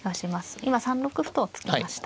今３六歩と突きました。